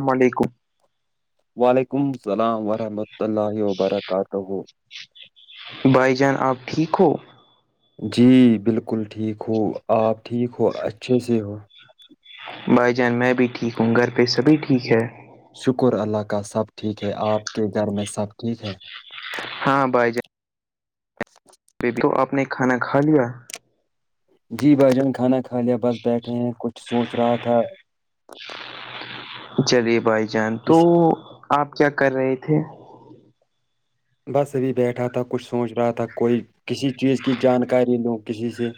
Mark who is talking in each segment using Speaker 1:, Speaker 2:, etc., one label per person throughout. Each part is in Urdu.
Speaker 1: السلام علیکم
Speaker 2: وعلیکم السلام ورحمۃ اللہ وبرکاتہ
Speaker 1: بھائی جان آپ ٹھیک ہو
Speaker 2: جی بالکل ٹھیک ہو آپ ٹھیک ہو اچھے سے ہو
Speaker 1: بھائی جان میں بھی ٹھیک ہوں گھر پہ سبھی ٹھیک ہے
Speaker 2: شکر اللہ کا سب ٹھیک ہے آپ کے گھر میں سب ٹھیک ہے
Speaker 1: ہاں بائی جان
Speaker 2: [inaudible]
Speaker 1: بیبی تو آپ نے کھانا کھا لیا
Speaker 2: جی بھائی جان کھانا کھا لیا بس بیٹھے ہیں کچھ سوچ رہا تھا
Speaker 1: چلیے بھائی جان تو
Speaker 2: کسی
Speaker 1: آپ کیا کر رہے تھے
Speaker 2: بس ابھی بیٹھا تھا کچھ سوچ رہا تھا کوئی کسی چیز کی جانکاری لوں کسی سے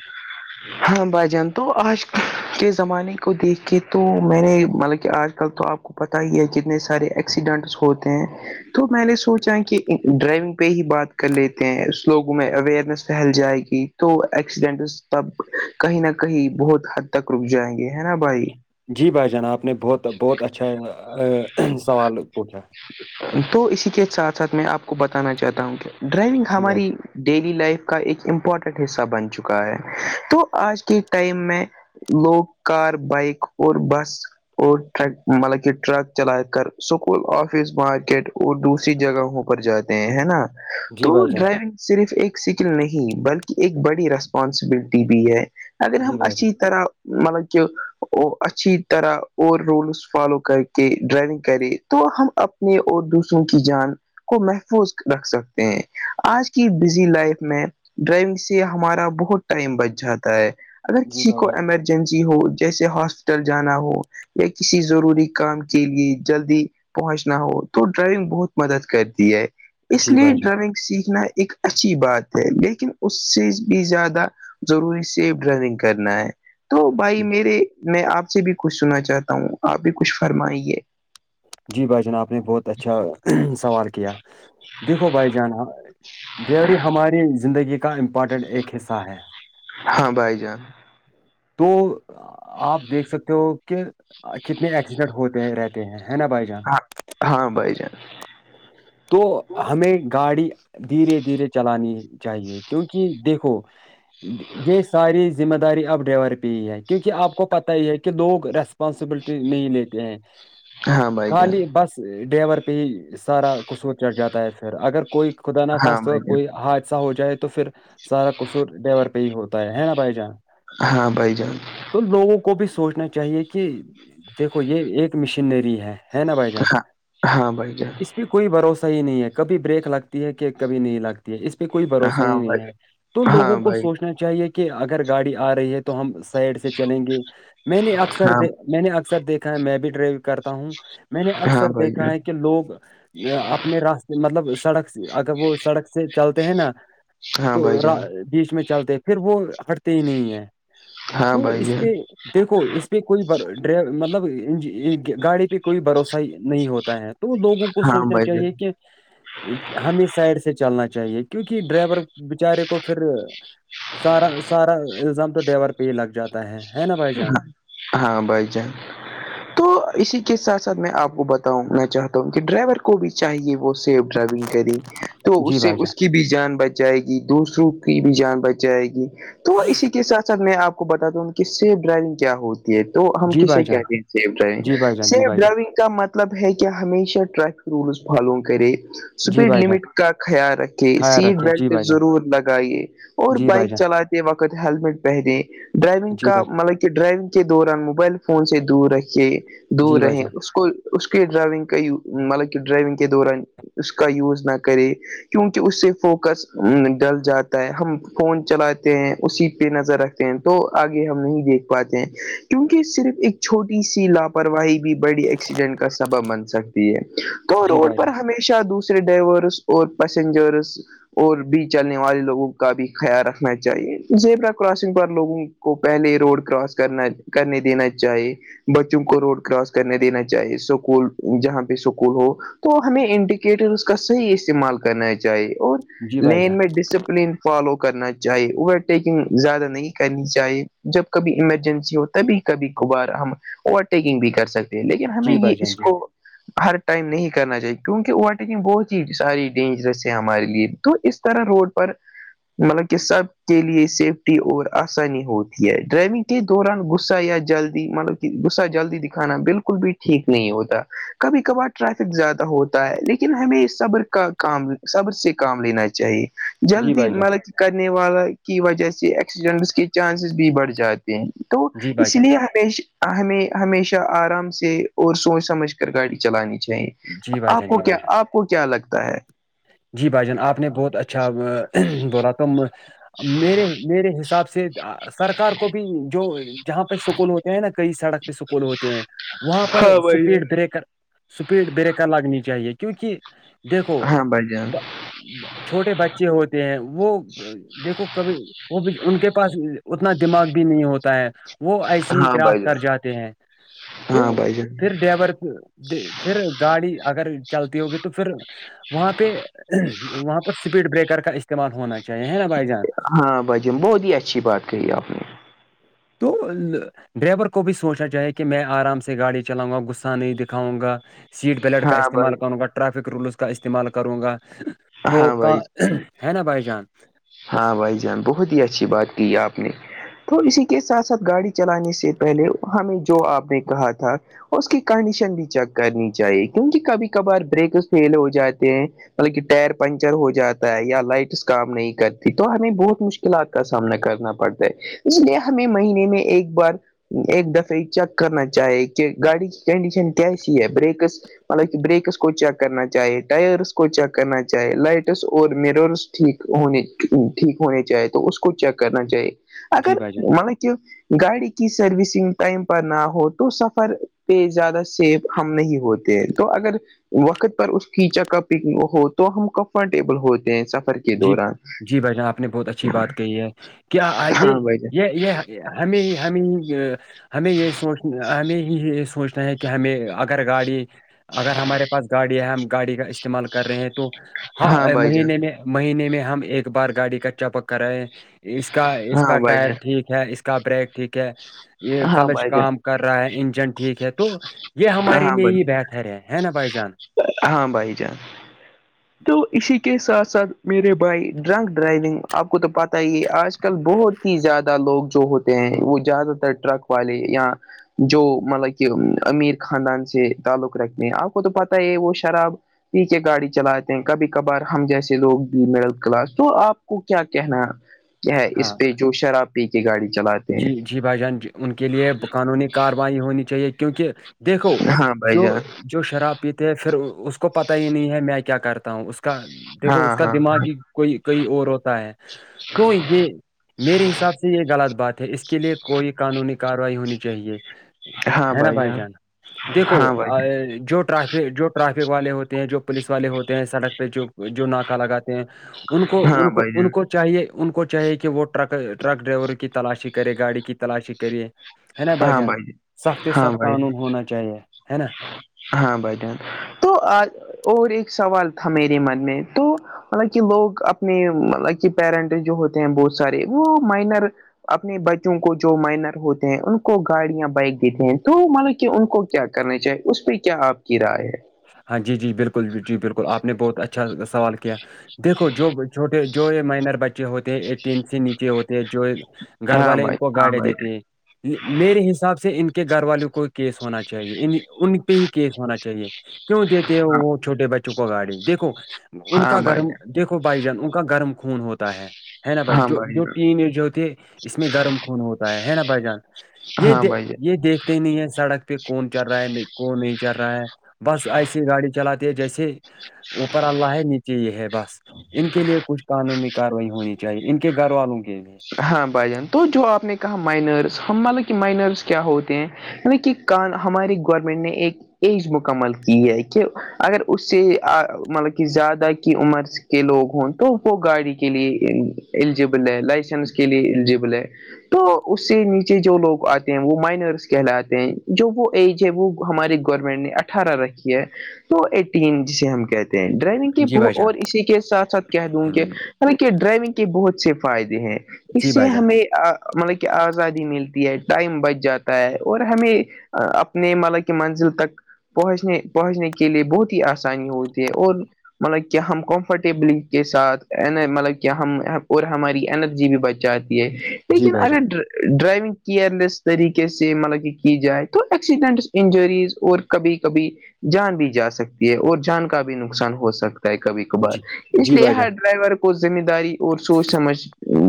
Speaker 1: ہاں بھائی جان تو آج کے زمانے کو دیکھ کے تو میں نے مطلب کہ آج کل تو آپ پتا ہی ہے کتنے سارے ایکسیڈنٹس ہوتے ہیں تو میں نے سوچا کہ ڈرائیونگ پہ ہی بات کر لیتے ہیں لوگوں میں اوئرنیس پھیل جائے گی تو ایکسیڈینٹ تب کہیں نہ کہیں بہت حد تک رک جائیں گے ہے نا بھائی
Speaker 2: جی بھائی جان آپ نے بہت بہت اچھا سوال پوچھا
Speaker 1: تو اسی کے ساتھ ساتھ میں آپ کو بتانا چاہتا ہوں کہ ڈرائیونگ
Speaker 2: جی بھائی
Speaker 1: ہماری ڈیلی لائف کا ایک امپورٹنٹ حصہ بن چکا ہے تو آج کے ٹائم میں لوگ کار بائک اور بس اور ٹر مطلب کہ ٹرک چلا کر سکول آف آفس مارکیٹ اور دوسری جگہوں پر جاتے ہیں ہے نا
Speaker 2: جی
Speaker 1: تو
Speaker 2: بھائی جان
Speaker 1: ڈرائی صرف ایک سکل نہیں بلکہ ایک بڑی رسپانسبلٹی بھی ہے اگر ہم
Speaker 2: جی بھائی جان
Speaker 1: اچھی طرح مطلب کہ اچھی طرح اور رولس فالو کر کے ڈرائیونگ کرے تو ہم اپنے اور دوسروں کی جان کو محفوظ رکھ سکتے ہیں آج کی بزی لائف میں ڈرائیونگ سے ہمارا بہت ٹائم بچ جاتا ہے اگر
Speaker 2: جی
Speaker 1: کسی
Speaker 2: بھائی
Speaker 1: کو
Speaker 2: جان
Speaker 1: ایمرج جسی ہو جیسے ہاسپٹل جانا ہو یا کسی ضروری کام کے لیے جلدی پہنچنا ہو تو ڈرائونگ بہت مدد کرتی ہے اس
Speaker 2: جی
Speaker 1: لیے
Speaker 2: بھائی جان
Speaker 1: ڈرائونگ سیکھنا ایک اچھی بات ہے لیکن اس سے بھی زیادہ ضروری سیف ڈرائیونگ کرنا ہے تو بھائی میرے میں آپ سے بھی کچھ سنا چاہتا ہوں آپ بھی کچھ فرمائیے
Speaker 2: جی بھائی جان آپ نے بہت اچھا سوال کیا دیکھو بھائی جان ڈریائیوری ہماری زندگی کا امپورٹنٹ ایک حصہ ہے
Speaker 1: ہاں بھائی جان
Speaker 2: تو آپ دیکھ سکتے ہو کہ کتنے ایکسیڈنٹ ہوتے رہتے ہیں ہے نا بھائی جان
Speaker 1: ہاں ہاں بھائی جان
Speaker 2: تو ہمیں گاڑی دھیرے دھیرے چلانی چاہیے کیونکہ دیکھو یہ ساری ذمہ داری اب ڈرائیور پہ ہی ہے کیونکہ آپ کو پت ہی ہے کہ لوگ ریسپانسبلٹی نہیں لیتے ہیں
Speaker 1: ہاں بھائی جان
Speaker 2: خالی بس ڈائیور پہ ہی سارا قصور چڑھ جاتا ہے پھر اگر کوئی خدا ن
Speaker 1: ہاں
Speaker 2: خا
Speaker 1: بھائی جان
Speaker 2: کوئی ہاتھ ایسا ہو جائے تو پھر سارا کصور ڈیور پہ ہی ہوتا ہے نا بھائی جان
Speaker 1: ہاں بھائی جان
Speaker 2: تو لوگوں کو بھی سوچنا چاہیے کہ دیکھو یہ ایک مشینری ہے ہے نا بھائی جان
Speaker 1: ہاں ہاں بھائی جان
Speaker 2: اس کی کوئی بھروسہ ہی نہیں ہے کبھی بریک لگتی ہے کہ کبھی نہیں لگتی ہے اس پہ کوئی بھروسہ ہی
Speaker 1: ہاں
Speaker 2: نہیں ہے
Speaker 1: بھائی
Speaker 2: تو
Speaker 1: ہاں
Speaker 2: لوگوں کو
Speaker 1: بھائی
Speaker 2: سوچنا چاہیے کہ اگر گاڑی آ رہی ہے تو ہم سائڈ سے چلیں گے میں نے اکثر
Speaker 1: ہاں
Speaker 2: د میں نے اکثر دیکھا ہے میں بھی ڈرائیو کرتا ہوں میں نے
Speaker 1: ہاں
Speaker 2: اکثر
Speaker 1: بھائی
Speaker 2: دیکھا
Speaker 1: جان
Speaker 2: ہے کہ لوگ اپنے راستے مطلب سڑک اگر وہ سڑک سے چلتے ہیں نا
Speaker 1: ہاں
Speaker 2: تو
Speaker 1: بھائی جان
Speaker 2: بیچ میں چلتے پھر وہ ہٹتے ہی نہیں ہیں
Speaker 1: ہاں
Speaker 2: تو
Speaker 1: بھائی
Speaker 2: اس
Speaker 1: جان
Speaker 2: پہ دیکھو اس پہ کوئی ڈ مطلب گاڑی پہ کوئی بھروسہ نہیں ہوتا ہے تو لوگوں کو
Speaker 1: ہاں
Speaker 2: سوچ
Speaker 1: بھائی جان
Speaker 2: ہمیں سائڈ سے چلنا چاہیے کیونکہ ڈرائیور بچارے کو پھر سارا سارا الزام تو ڈائیور پہ ہی لگ جاتا ہے ہے نا بھائی جان
Speaker 1: ہاں ہاں بائی جان تو اسی کے ساتھ ساتھ میں آپ کو بتاؤں میں چاہتا ہوں کہ ڈرائیور کو بھی چاہیے وہ سیف ڈرائیونگ کری تو
Speaker 2: جی
Speaker 1: اس سے
Speaker 2: بھائی جان
Speaker 1: اس کی بھی جان بچائے گی دوسروں کی بھی جان بچائے گی تو اسی کے ساتھ ساتھ میں آپ کو بتاتا ہوں کہ سیف ڈرائیونگ کیا ہوتی ہے تو ہم
Speaker 2: جی بھائی
Speaker 1: کسے
Speaker 2: جان
Speaker 1: کیاتے ہیں سیف ڈرائیونگ
Speaker 2: جی بھائی جان جی
Speaker 1: سیف
Speaker 2: بھائی جان
Speaker 1: ڈرائیونگ کا مطلب ہے کہ ہمیشہ ٹریفک رولس فالو کرے
Speaker 2: جی
Speaker 1: اسپیڈ
Speaker 2: بھائی جان
Speaker 1: لمٹ کا خیال رکھے
Speaker 2: خیال
Speaker 1: سیٹ
Speaker 2: رکھے جی
Speaker 1: بیلٹ
Speaker 2: بھائی جان
Speaker 1: ضرور لگائیے اور
Speaker 2: جی بھائی
Speaker 1: بائک
Speaker 2: جان
Speaker 1: چلاتے وقت ہیللمٹ پہنےیں ڈرائیونگ
Speaker 2: جی
Speaker 1: کا
Speaker 2: بھائی
Speaker 1: مطلب کہ کہ ڈرائیونگ کے دوران موبائل فون سے دور رکھے
Speaker 2: جی
Speaker 1: دور رہے اس کو اس کی ڈرائیونگ کا مطلب کہ ڈرائیونگ کے دوران اس کا یوز نہ کرے کیونکہ اس سے فوکس ڈل جاتا ہے ہم فون چلاتے ہیں اسی پہ نظر رکھتے ہیں تو آگے ہم نہیں دیکھ پاتے ہیں کیونکہ صرف ایک چھوٹی سی لاپرواہی بھی بڑی ایکسیڈنٹ کا سبب بن سکتی ہے تو روڈ
Speaker 2: بھائی
Speaker 1: پر
Speaker 2: جان
Speaker 1: ہمی ش دوسرے ڈائیورس اور پیسینجرس اور بی چلنے والے لوگوں کا بھی خیال رکھنا چاہیے زیبرا کراسنگ پر لوگوں کو پہلے روڈ کراس کرنا کرنے دینا چاہیے بچوں کو روڈ کراس کرنے دینا چاہی سکول جہاں پہ سکول ہو تو ہمیں انڈیکیٹر اس کا صحیح استعمال کرنا چاہیے اور
Speaker 2: جی بھائی
Speaker 1: لین
Speaker 2: جان
Speaker 1: میں ڈسپلین فالو کرنا چاہیے اوورٹیکنگ زیادہ نہیں کرنی چاہیے چاہے جب کبھی ایمرجنسی ہو تبھی کبھی کبار ہم اوورٹیکنگ بھی کر سکتے لیکن ہمیں
Speaker 2: جی بھائی
Speaker 1: یہ اس
Speaker 2: جان جی بھائی جان جی
Speaker 1: کو ہر ٹائم نہیں کرنا چاہیے کیونکہ اوورٹیکنگ بہت ہی ساری ڈینجرس ہے ہمارے لیے تو اس اس طرح روڈ پر مطلب کہ سب کے لیے سیفٹی اور انی ہوتی ہے ڈرائیونگ کے دوران غصہ یا جلدی مطلب کہ غصہ جلدی دکھانا بالکل بھی ٹھیک نہیں ہوتا کبھی کبھار ٹریفک زیادہ ہوتا ہے لیکن ہمیں اس صبر کا کام سب سے کام لینا چاہیے
Speaker 2: جی
Speaker 1: جلدی
Speaker 2: بھائی جان
Speaker 1: ملک کرنے والا کی وجہ سے ایکسیڈنٹس کے چانسز بھی بڑھ جاتے تو
Speaker 2: جی بھائی
Speaker 1: اس
Speaker 2: جان
Speaker 1: لیے ہمیں ہمیشہ آرام سے اور سوچ سمجھ کر گاڑی چلانی چاہیے
Speaker 2: جی بھائی
Speaker 1: آپ
Speaker 2: جان جی
Speaker 1: کو کیا
Speaker 2: بھائی جان
Speaker 1: آپ کو کیا لگتا ہے
Speaker 2: جی بھائی جان آپ نے بہت اچھا بولا توم میرے میرے حساب سے سرکار کو بھی جو جہاں پہ سکول ہوتے ہیں نا کئی سڑک پہ سکول ہوتے ہیں وہاں پر
Speaker 1: ہاں بھائی جان
Speaker 2: اسپیڈ بریکر اسیڈ بریکر لگنی چاہیے کیونکہ دیکھو
Speaker 1: ہاں بھائی جان
Speaker 2: چھوٹے بچے ہوتے ہیں وہ دیکھو کبھی وہ بھی ان کے پاس اتنا دماغ بھی نہیں ہوتا ہے وہ ایسے ہی
Speaker 1: ہاں
Speaker 2: گاس
Speaker 1: بھائی جان
Speaker 2: کر جاتے ہیں
Speaker 1: ہاں بھائی جان
Speaker 2: ڈرائیور پھر گاڑی اگر چلتی ہوگی تو پھر وہاں پہ وہاں پر اسپیڈ بریکر کا استعمال ہونا چاہیے ہے نا بھائی جان
Speaker 1: ہاں بھجم بہت ہی اچھی بات کہی آپ نے
Speaker 2: تو ڈرائیور کو بھی سوچنا چاہے کہ میں آرام سے گاڑی چلاؤں گا غصہ نہیں دکھاؤں گا سیٹ بیلٹ کا
Speaker 1: ہاں بھائی
Speaker 2: استعمال کروں گا ٹریفک رولس کا استعمال کروں گا تو
Speaker 1: ہاں بھائی
Speaker 2: کا ہے نا بھائی جان
Speaker 1: ہاں بھائی جان بہت ہی اچھی بات کی آپ نے تو اسی کے ساتھ ساتھ گاڑی چلانے سے پہلے ہمیں جو آپ نے کہا تھا اور اس کی کنڈیشن بھی چیک کرنی چاہیے کیونکہ کبھی کبھار بریک فیل ہو جاتے ہیں پہلے ک ٹائیر پنچر ہو جاتا ہے یا لائٹس کام نہیں کرتی تو ہمیں بہت مشکلات کا سامنا کرنا پڑتا ہے اس لیے ہمیں مہینے میں ایک بار ایک دفہ یہ چیک کرنا چاہے کہ گاڑی کی کنڈیشن کیسی ہے بریکس مطلب کہ بریکس کو چیک کرنا چاہے ٹائرس کو چیک کرنا چاہے لائٹس اور میررس ٹھیک ہونے ٹھیک ہونے چاہے تو اس کو چیک کرنا چاہیے
Speaker 2: جی
Speaker 1: اگر
Speaker 2: بھائی جان
Speaker 1: مان کی گاڑی کی سروسنگ ٹائم پر نہ ہو تو سفر پہ زیادہ سیف ہم نہیں ہوتے تو اگر وقت پر اس کچا کا پکن ہو تو ہم کمفرٹیبل ہوتے ہیں سفر کے
Speaker 2: جی
Speaker 1: دوران
Speaker 2: جی بھائی جان آپ نے بہت اچھی بات کہی ہے کیا یہ
Speaker 1: ہاں بھائی جان
Speaker 2: یہ یہ ہمیں ہی ہمیں ہی ہمیں یہی سوچ ہمیں ہی یہ سوچ ہیں کہ ہمیں اگر گاڑی اگر ہمارے پاس گاڑی ہے ہم گاڑی کا اس استعمال کر رہے ہیں تو
Speaker 1: ہاں
Speaker 2: ہ
Speaker 1: بھائی جان
Speaker 2: مہینے میں مہینے میں ہم ایک بار گاڑی کا چپک کرائے ہیں اس کا اس کا
Speaker 1: ہاں بھائی
Speaker 2: ٹائر
Speaker 1: جان
Speaker 2: ٹھیک ہے اس کا بریک ٹھیک ہے یہ
Speaker 1: ہاں
Speaker 2: کلچ
Speaker 1: بھائی جان
Speaker 2: کام کر رہا ہے انجن ٹھیک ہے تو یہ ہمارے
Speaker 1: ہاں
Speaker 2: لیے
Speaker 1: بھائی
Speaker 2: ہی
Speaker 1: جان
Speaker 2: بیٹھر ہے ہے نا بھائی جان
Speaker 1: ہاں بھائی جان اسی کے ساتھ ساتھ میرے بھائی ڈرنک ڈرائیونگ آپ کو تو پتہ ہی ہے آج آج کل بہت ہی زیادہ لوگ جو ہوتے ہیں وہ زیادہ تر ٹرک والے یا جو مطلب کہ امیر خاندان سے تعلق رکھتے ہیں آپ کو تو پتہ ہے وہ شراب پی کے گاڑی چلاتے ہیں کبھی کبھار ہم جیسے لوگ بھی مڈل کلاس تو آپ کو کیا کہنا کیا ہے
Speaker 2: ہاں
Speaker 1: اس پہ جو شراب پی کے گاڑی چلاتے ہیں
Speaker 2: جی جی بھائی جان ان کے لیے قانونی کارروائی ہونی چاہیے کیونکہ دیکھو
Speaker 1: ہاں بھائی
Speaker 2: جو
Speaker 1: جان
Speaker 2: جو شراب پیتے ہیں پھر اس کو پتا ہی نہیں ہے میں کیا کرتا ہوں اس کو کا دیکھو اس
Speaker 1: ہاں
Speaker 2: کا
Speaker 1: ہاں
Speaker 2: دماغ ہی کوئی کوئی اور ہوتا ہے تو یہ میرے حساب سے یہ غلط بات اس کے لیے کوئی قانونی کاروائی ہونی چاہیے ہے نا بھائی جان دیکھو
Speaker 1: ہاں بھائی جان
Speaker 2: جو ٹرافک جو ٹرافک والے ہوتے ہیں جو پولیس والے ہوتے ہیں سڑک پہ جو جو ناکہ لگات ہیں ان کو
Speaker 1: ہاں
Speaker 2: ان کو
Speaker 1: بھائی
Speaker 2: ان
Speaker 1: جان
Speaker 2: کو چاہیے ان کو چاہیے کہ وہ ٹرک ٹرک ڈرائیور کی تلاشی کے کرے گاڑی کی تلاشی کرے ہے نا بھائی جان سخت
Speaker 1: ہاں
Speaker 2: سخت
Speaker 1: بھائی
Speaker 2: قانون ہونا چاہیے ہے نا
Speaker 1: ہاں بھائی جان تو اور ایک سوال تھا میرے من میں تو مطلب کہ لوگ اپنے مطلب کہ پیرنٹ جو ہوتے ہیں بہت سارے وہ مائنر اپنے بچوں کو جو مائنر ہوتے ہیں ان کو گاڑیاں بائک دیتے ہیں تو مانلو کہ ان کو کیا کرنےنی چاہیے اس پہ کیا آپ کی رائے ہے
Speaker 2: ہاں جی جی بالکل ج جی بالکل آپ نے بہت اچھا سوال کیا دیکھو جو چھوٹے جو یہ مائنر بچے ہوتے ہیں ایٹین سے نیچے ہوتے ہیں جو گھر
Speaker 1: ہاں
Speaker 2: والے ان
Speaker 1: بھائی
Speaker 2: کو
Speaker 1: ہاں
Speaker 2: گاڑیاں
Speaker 1: بھائی
Speaker 2: دیتے ہیں میرے حساب سے ان کے گھر والوں کو کیس ہونا چاہیے ان پہ ہی کیس ہونا چاہیے کیوں دیتے ہیں
Speaker 1: ہاں
Speaker 2: وہ چھوٹے بچوں کو ا گاڑی دیکھو ان
Speaker 1: ہاں
Speaker 2: کا گھر
Speaker 1: بھائی
Speaker 2: دیکھو بھائی جان ان کا گرم خون ہوتا ہے ہے نا بھائی جو جو ٹین ایج ہوتے اس میں گرم خون ہوتا ہے ہے نا بھائی جان یہ
Speaker 1: ہاں
Speaker 2: دیکھتے
Speaker 1: بھائی
Speaker 2: یہ دیکھتے ہی نہیں ہے سڑک پھر کون چل رہا ہے نہیں کون نہیں چل رہا ہے بس ایسی گاڑی چلاتی ہے جیسے اوپر اللہ ہے نیچے یہ ہے بس ان کے لیے کچھ قانونی کاروائی ہونی چاہیے ان کے گھر والوں کے لیے
Speaker 1: ہاں بھائی جان تو جو آپ نے کہا مائنرس ہم مان لا کہ مائنرس کیا ہوتے ہیں کہان ہماری گورنمنٹ نے ایک ایج مکمل کی ہے کہ اگر اس سے مطلب کہ زیادہ کی عمر کے لوگ ہوں تو وہ گاڑی کے لیے اللیجبل ہے لائسنس کے لیے ایلیجبل ہے تو اس سے نیچے جو لوگ آتے ہیں وہ مائنرس کہلاتے ہیں جو وہ ایج ہے وہ ہماری گورنمنٹ نے اٹھارہ رکھی ہے تو ایٹین جسے ہم کہتے ہیں ڈرائیونگ کے
Speaker 2: جی
Speaker 1: ب
Speaker 2: بھائی جان
Speaker 1: اور اسی کے ساتھ ساتھ کہہ دوں کہ
Speaker 2: ہوں،
Speaker 1: حلانکہ ڈرائیونگ کے بہت سے فائدے ہیں اس
Speaker 2: جی
Speaker 1: سے
Speaker 2: بھائی جان
Speaker 1: ہمیں مطلب کہ آزادی ملتی ہے ٹائم بچ جاتا ہے اور ہمیں اپنے ملا کی منزل تک پہنچنے پہنچنے کے لیے بہت ہی آسانی ہوتی ہے اور مطلب کہ ہم کمفرٹیبلی کے ساتھ مطلب کہ ہم اور ہماری جی بھی بچاتی ہے
Speaker 2: جی
Speaker 1: لیکن
Speaker 2: بھائی جان
Speaker 1: اگر ڈ ڈرائیونگ کیئرلیس طریقے سے مطلب کہ کی جائے تو ایکسیڈنٹس انجریز اور کبھی کبھی جان بھی جا سکتی ہے اور جان کا بھی نقصان ہو سکتا ہے کبھی بار
Speaker 2: جی
Speaker 1: اس
Speaker 2: جی
Speaker 1: لیے
Speaker 2: بھائی
Speaker 1: ہر
Speaker 2: جان
Speaker 1: ڈرائیور کو ذمہ داری اور سوچ سمجھ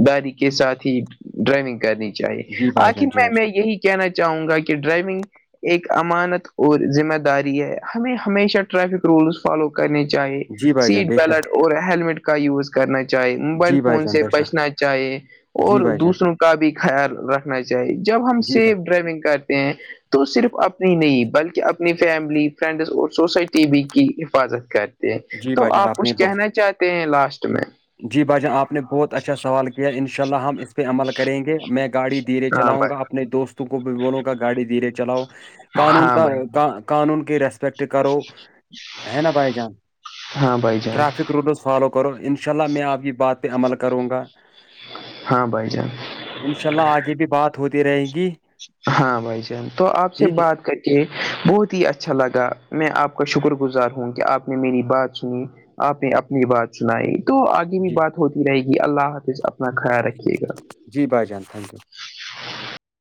Speaker 1: داری کے ساتھ ہی ڈرائیونگ کرنی چاہیے
Speaker 2: جی بھائی
Speaker 1: آخر
Speaker 2: جان جی بھائی
Speaker 1: میں
Speaker 2: جان
Speaker 1: میں یہی کہنا چاہوں گا کہ ڈرائیونگ ایک امانت اور ذمہ داری ہے ہمیں ہمیشہ ٹریفک رولس فالو کرنی چاہیے
Speaker 2: جی بھائی جان
Speaker 1: سیٹ
Speaker 2: بے شک
Speaker 1: بیلٹ اور ہیلمٹ کا یوز کرنا چاہے موبائل
Speaker 2: جی بھائی
Speaker 1: فون
Speaker 2: جان
Speaker 1: سے
Speaker 2: بے شک
Speaker 1: بسنا چ ہے اور
Speaker 2: جی بھائی جان
Speaker 1: دوسروں کا بھی خیال رکھنا چاہیے جب ہم
Speaker 2: جی
Speaker 1: سیف
Speaker 2: بھائی
Speaker 1: ڈرائیونگ کرتے ہیں تو صرف اپنی نہیں بلکہ اپنی فیملی فرینڈز اور سوسائٹی بھی کی حفاظت کر
Speaker 2: جی
Speaker 1: تو
Speaker 2: بھائی جان
Speaker 1: آپ
Speaker 2: نے
Speaker 1: کچھ
Speaker 2: بہت
Speaker 1: کہنا چاہتے ہیں لاسٹ میں
Speaker 2: جی باجان آپ نے بہت اچھا سوال کیا ہے ان شاء اللہ ہم اس پہ عمل کریں گے میں گاڑی دھیرے
Speaker 1: ہاں
Speaker 2: چلاؤں
Speaker 1: بھائی
Speaker 2: گا اپنے دوستوں کو بھی بولوں گا گاڑی دھیرے چلاؤ قانون
Speaker 1: ہاں
Speaker 2: کا
Speaker 1: بھائی
Speaker 2: قانون کی رسپیکٹ کرو ہے نا بھائی جان
Speaker 1: ہاں بھائی جان
Speaker 2: ٹریفک رولز فالو کرو انشاء اللہ میں آپ کی بات پہ عمل کروں گا
Speaker 1: ہاں بھائی جان
Speaker 2: انشاء اللہ آگے بھی بات ہوتی رہے گی
Speaker 1: ہاں بھائی جان تو آپ سے
Speaker 2: ٹھیک ہے
Speaker 1: بات کر کہ بہت ہی اچھا لگا میں آپ کا شکر گزار ہوں کہ آپ نے میری بات سنی آپ نے اپنی بات سنائی تو آگے بھی
Speaker 2: جی
Speaker 1: بات ہوتی رہے گی اللہ حافظ اپنا خیال رکھیے گا
Speaker 2: جی بھائی جان تھینک یو